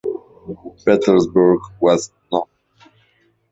Petersburg West No.